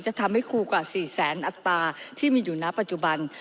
จะทำให้ครูกว่า๔แสนอัตราที่มีอยู่ณปัจจุบัน